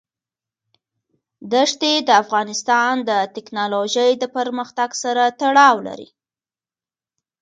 دښتې د افغانستان د تکنالوژۍ د پرمختګ سره تړاو لري.